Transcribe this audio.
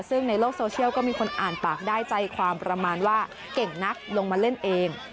ซึ่งในโลกโซเชียลก็มีคนอ่านปากได้ใจความประมาณว่าเก่งนักลงมาเล่นเอง